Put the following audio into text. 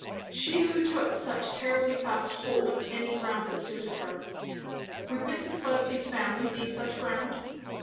she who took such terribly fast hold of any ground that suited her. Would Mrs. Busby's family be such ground?